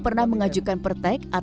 perlengkapan dari tabatangan kecenderungan